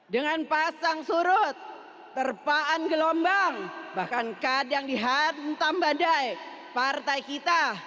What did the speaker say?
dengan pasang surut terpaan gelombang bahkan kadang dihantam badai partai kita